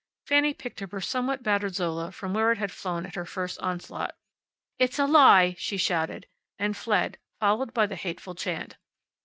Fanny picked up her somewhat battered Zola from where it had flown at her first onslaught. "It's a lie!" she shouted. And fled, followed by the hateful chant.